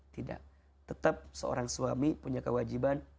tidak tetap seorang suami punya kewajiban